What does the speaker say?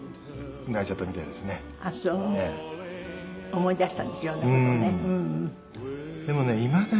思い出したんです色んな事をね。